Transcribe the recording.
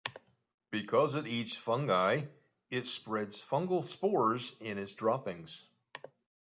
Because it eats fungi, it spreads fungal spores in its droppings.